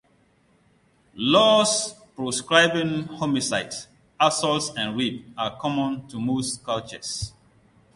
Laws proscribing homicide, assaults and rape are common to most cultures.